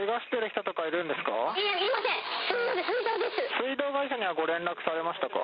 水道会社にはご連絡されましたか？